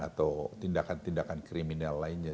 atau tindakan tindakan kriminal lainnya